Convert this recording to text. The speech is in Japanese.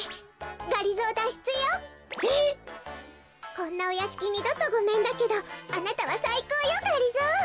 こんなおやしきにどとごめんだけどあなたはさいこうよがりぞー。